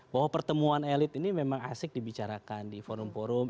bahwa pertemuan elit ini memang asik dibicarakan di forum forum